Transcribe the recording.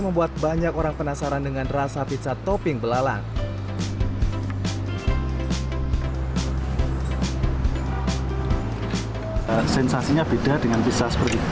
membuat banyak orang penasaran dengan rasa pizza topping belalang sensasinya beda dengan pizza seperti